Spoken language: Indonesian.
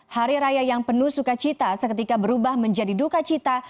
hari raya yang penuh sukacita seketika berubah menjadi dukacita